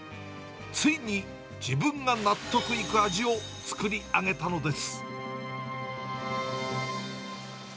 ついに自分が納得いく味を作り上げたのです。